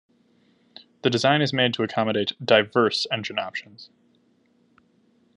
The design is made to accommodate diverse engine options.